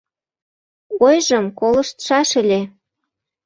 Ойжым колыштшаш ыле.